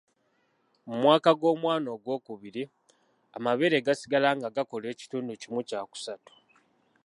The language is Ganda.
Mu mwaka gw'omwana wo ogwokubiri, amabeere gasigala nga gakola ekitundu kimu kya kusatu .